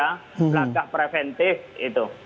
langkah preventif itu